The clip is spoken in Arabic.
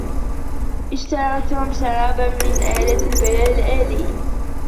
اشترى توم شرابا من آلة البيع الآلي.